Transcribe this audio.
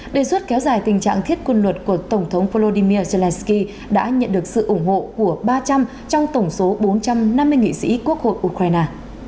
đề xuất kéo dài tình trạng thiết quân luật của tổng thống volodymyr zelensky đã nhận được sự ủng hộ của ba trăm linh trong tổng số bốn trăm năm mươi nghị sĩ quốc hội ukraine